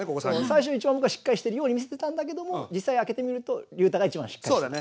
最初一番僕がしっかりしてるように見せてたんだけども実際開けてみるとりゅうたが一番しっかりしてる。